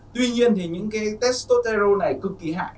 tuy nhiên thì những cái testosterone này cực kỳ hại